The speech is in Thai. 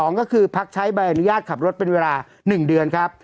ก็คือพักใช้ใบอนุญาตขับรถเป็นเวลา๑เดือนครับ